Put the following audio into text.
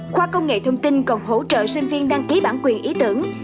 khoa công nghệ thông tin còn hỗ trợ sinh viên đăng ký bản quyền ý tưởng